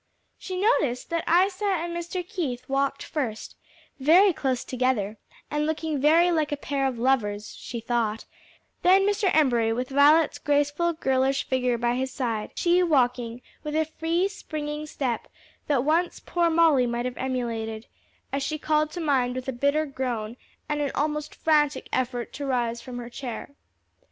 She noticed that Isa and Mr. Keith walked first very close together, and looking very like a pair of lovers, she thought then Mr. Embury with Violet's graceful, girlish figure by his side, she walking with a free, springing step that once poor Molly might have emulated, as she called to mind with a bitter groan and an almost frantic effort to rise from her chair.